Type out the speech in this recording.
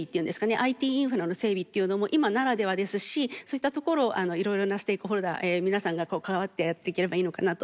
ＩＴインフラの整備というのも今ならではですしそういったところをいろいろなステークホルダー皆さんが関わってやっていければいいのかなと思います。